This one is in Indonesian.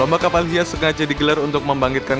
lomba kapal hias sengaja digelar untuk membangkitkan